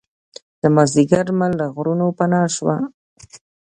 د مازدیګر لمر له غرونو پناه شو.